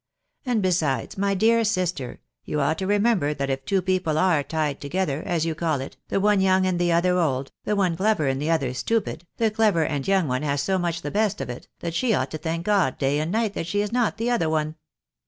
And besides, my dear sister, you ought to remember that if two people are tied together, as you call it, the one young and the other old, the one clever and the other stupid, the clever and young one has so much the best of it, that she ought to thank God day and night that she is not the other one."